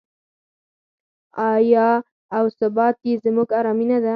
آیا او ثبات یې زموږ ارامي نه ده؟